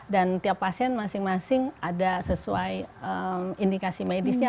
tiap pasien masing masing ada sesuai indikasi medisnya